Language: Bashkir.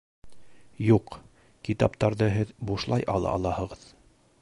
Юҡ, китаптарҙы һеҙ бушлай ала алаһығыҙ